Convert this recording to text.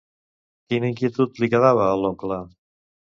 Quina inquietud li quedava a l'oncle?